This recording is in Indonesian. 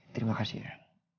terima kasih ya